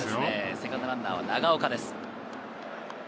セカンドランナーは長岡です。